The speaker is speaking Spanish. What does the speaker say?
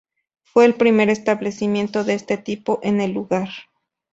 Fue el primer establecimiento de este tipo en el lugar.